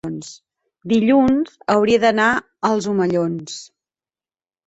dilluns hauria d'anar als Omellons.